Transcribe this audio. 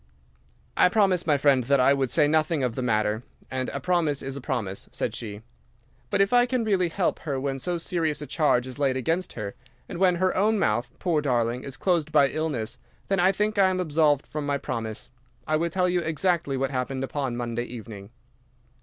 "'I promised my friend that I would say nothing of the matter, and a promise is a promise,' said she; 'but if I can really help her when so serious a charge is laid against her, and when her own mouth, poor darling, is closed by illness, then I think I am absolved from my promise. I will tell you exactly what happened upon Monday evening.